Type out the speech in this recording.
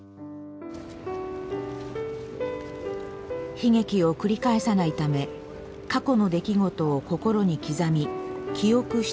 悲劇を繰り返さないため過去の出来事を心に刻み記憶し続ける。